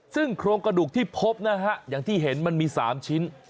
ซึ่งโครงกระดูกที่พบนะฮะอย่างที่เห็นมันมี๓ชิ้น